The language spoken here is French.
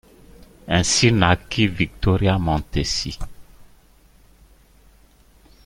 Ainsi naquit Victoria Montesi.